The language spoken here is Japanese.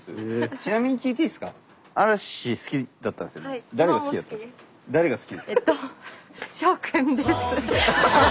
ちなみに聞いていいですか？